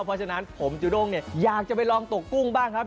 เพราะฉะนั้นผมจุด้งเนี่ยอยากจะไปลองตกกุ้งบ้างครับ